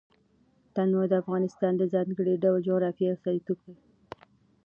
تنوع د افغانستان د ځانګړي ډول جغرافیه استازیتوب کوي.